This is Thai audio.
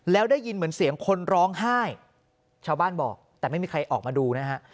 แล้วได้ยินเหมือนเสียงคนร้องไห้ชาวบ้านบอกแต่ไม่มีใครออกมาดูนะฮะ